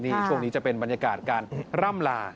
นี่ช่วงนี้จะเป็นบรรยากาศการร่ำลา